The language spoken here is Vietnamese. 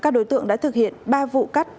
các đối tượng đã thực hiện ba vụ cắt